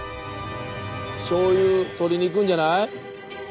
しょうゆ取りに行くんじゃない？あかん！